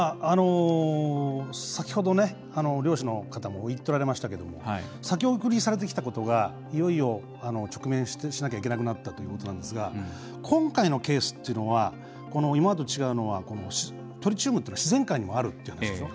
先ほど、漁師の方も言っておられましたけども先送りされていたことがいよいよ直面しなきゃいけなくなったということなんですが今回のケースっていうのは今までと違うのはトリチウムというのは自然界にもあるっていう話でしょ。